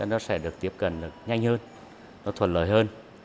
nó sẽ được tiếp cận nhanh hơn nó thuần lợi hơn